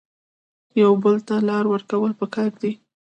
یو بل ته لار ورکول پکار دي